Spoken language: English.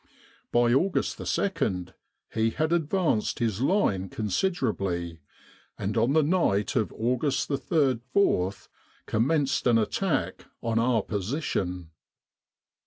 By August 2 he had advanced his line considerably, and on the night of August 3 4 com menced an attack on our position.